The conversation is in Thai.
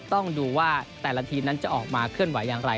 ต้องดูว่าแต่ละทีมนั้นจะออกมาเคลื่อนไหวอย่างไร